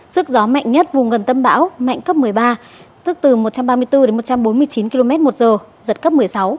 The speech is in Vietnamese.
sức gió mạnh nhất vùng gần tâm bão mạnh cấp một mươi ba tức từ một trăm ba mươi bốn đến một trăm bốn mươi chín km một giờ giật cấp một mươi sáu